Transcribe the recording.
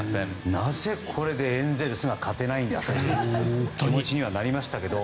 なぜ、これでエンゼルスが勝てないんだという気持ちにはなりましたけど。